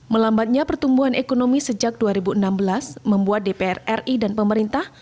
melambatnya pertumbuhan ekonomi sejak dua ribu enam belas membuat dpr ri dan pemerintah